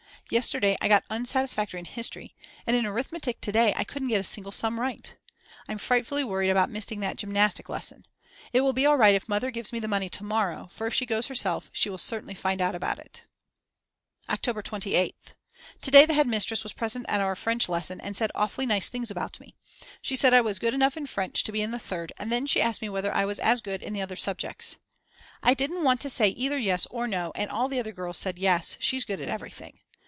Yesterday I got unsatisfactory in history, and in arithmetic to day I couldn't get a single sum right. I'm frightfully worried about missing that gymnastic lesson. It will be all right if Mother gives me the money to morrow, for if she goes herself she will certainly find out about it. October 28th. To day the head mistress was present at our French lesson and said awfully nice things about me. She said I was good enough in French to be in the Third and then she asked me whether I was as good in the other subjects. I didn't want to say either Yes or No, and all the other girls said Yes, she's good at everything.